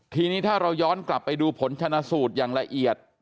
ทีนี้ถ้าเราย้อนกลับไปดูผลชนะสูตรอย่างละเอียด